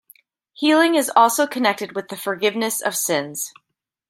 Healing is also connected with the forgiveness of sins.